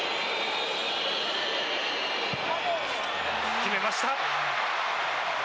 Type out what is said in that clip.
決めました。